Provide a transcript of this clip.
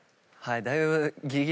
だいぶ。